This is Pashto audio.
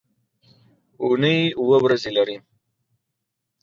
اونۍ اووه ورځې لري.